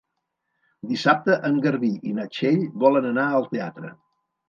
Dissabte en Garbí i na Txell volen anar al teatre.